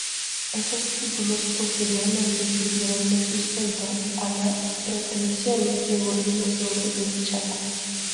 Esos títulos posteriormente sirvieron de sustento a la pretensiones de Bolivia sobre el Chaco.